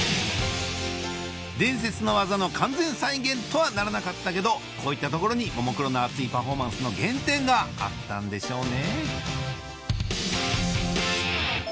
伝説の技の完全再現とはならなかったけどこういったところにももクロの熱いパフォーマンスの原点があったんでしょうね